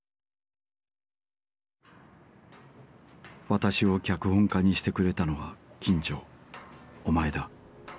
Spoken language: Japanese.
私を脚本家にしてくれたのは金城お前だ。